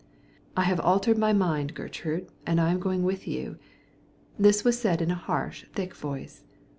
"I have altered my mind, Gertrude, and am going with you." This was said in a harsh, thick voice.